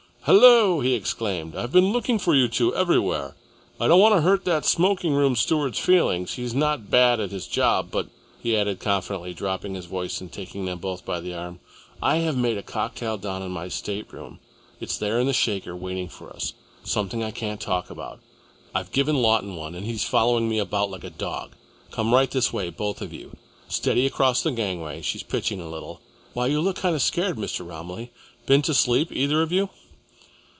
"Hullo!" he exclaimed. "I've been looking for you two everywhere. I don't want to hurt that smoking room steward's feelings. He's not bad at his job. But," he added confidentially, dropping his voice and taking them both by the arm, "I have made a cocktail down in my stateroom it's there in the shaker waiting for us, something I can't talk about. I've given Lawton one, and he's following me about like a dog. Come right this way, both of you. Steady across the gangway she's pitching a little. Why, you look kind of scared, Mr. Romilly. Been to sleep, either of you?"